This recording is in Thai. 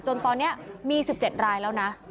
จนตอนนี้มี๑๗รายแล้วนะ